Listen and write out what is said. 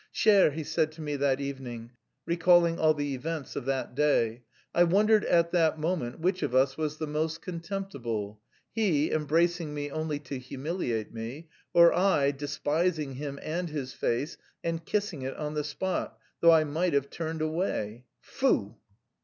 "Cher," he said to me that evening, recalling all the events of that day, "I wondered at that moment which of us was the most contemptible: he, embracing me only to humiliate me, or I, despising him and his face and kissing it on the spot, though I might have turned away.... Foo!"